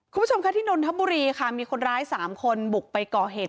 คุณผู้ชมค่ะที่นนทบุรีค่ะมีคนร้าย๓คนบุกไปก่อเหตุ